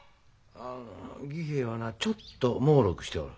あ儀平はなちょっともうろくしておる。